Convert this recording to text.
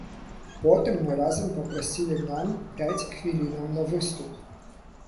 Потым мы разам папрасілі нам пяць хвілінаў на выступ.